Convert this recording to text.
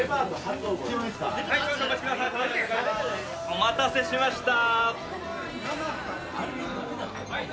お待たせしました！